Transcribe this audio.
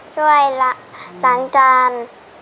ช่วยล้างจาน